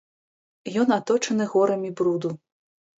Ён аточаны горамі бруду.